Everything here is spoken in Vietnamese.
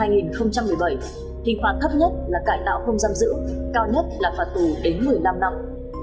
hình phạt thấp nhất là cải tạo không giam giữ cao nhất là phạt tù đến một mươi năm năm